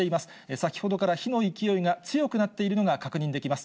先ほどから火の勢いが強くなっているのが確認できます。